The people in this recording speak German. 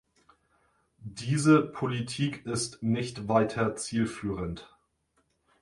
Diese Politik ist nicht weiter zielführend.